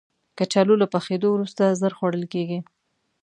کچالو له پخېدو وروسته ژر خوړل کېږي